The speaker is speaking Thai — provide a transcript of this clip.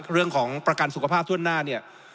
เรื่องของประกันสุขภาพทั่วหน้าเนี่ย